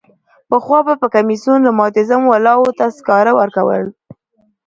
پخوا به کمیسیون رماتیزم والاوو ته سکاره ورکول.